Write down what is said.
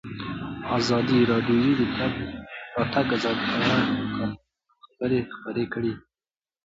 ازادي راډیو د د تګ راتګ ازادي په اړه د کارپوهانو خبرې خپرې کړي.